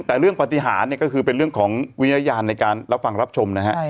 แต่เรื่องบันที่หาเนี่ยก็คือเป็นเรื่องของวิยยารในการรับฟังรับชม